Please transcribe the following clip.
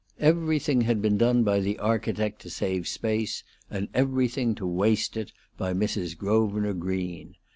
Everything had been done by the architect to save space, and everything, to waste it by Mrs. Grosvenor Green.